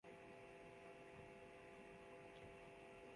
จึงมีปัญหาจุกจิกอยู่เรื่อย